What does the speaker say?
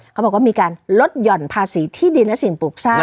เขาบอกว่ามีการลดหย่อนภาษีที่ดินและสิ่งปลูกสร้าง